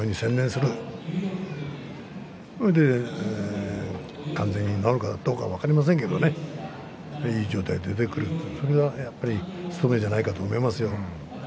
それで完全に治るかどうか分かりませんけれどいい状態で出てくるそれがやっぱり務めじゃないかと思いますよ。